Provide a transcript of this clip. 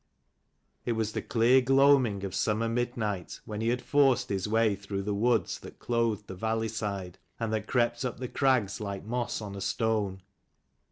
It was the clear gloaming of summer mid night when he had forced his way through the woods that clothed the valley side, and that crept up the crags like moss on a stone.